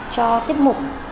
cho tiếp mục